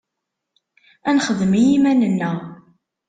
Ad nexdem i yiman-nneɣ.